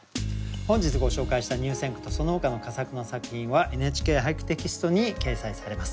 本日ご紹介した入選句とそのほかの佳作の作品は「ＮＨＫ俳句」テキストに掲載されます。